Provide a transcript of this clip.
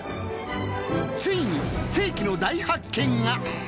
ついに、世紀の大発見が。